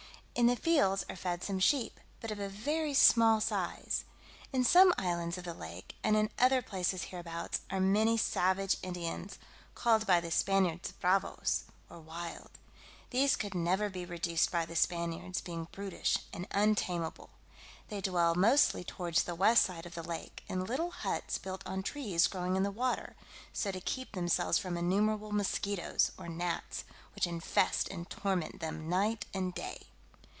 In the fields are fed some sheep, but of a very small size. In some islands of the lake, and in other places hereabouts, are many savage Indians, called by the Spaniards bravoes, or wild: these could never be reduced by the Spaniards, being brutish, and untameable. They dwell mostly towards the west side of the lake, in little huts built on trees growing in the water; so to keep themselves from innumerable mosquitoes, or gnats, which infest and torment them night and day.